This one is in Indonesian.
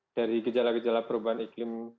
dari gejala gejala perubahan iklim